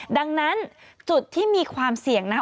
ดังนั้นจุดที่มีความเสี่ยงนะคะ